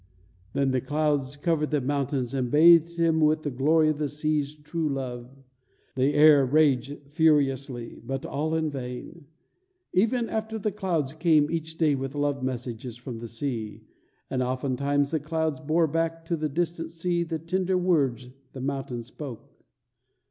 Then the clouds covered the mountain and bathed him with the glory of the sea's true love. The air raged furiously, but all in vain. Ever after that the clouds came each day with love messages from the sea, and oftentimes the clouds bore back to the distant sea the tender words the mountain spoke.